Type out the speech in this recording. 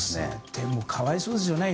でも、可哀想ですよね。